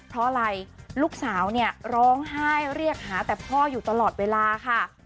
เพราะอะไรลูกสาวเนี่ยร้องไห้เรียกหาแต่พ่ออยู่ตลอดเวลาค่ะ